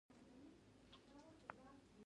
دا قشر له فلز څخه د پاڼو په څیر جلا کیږي.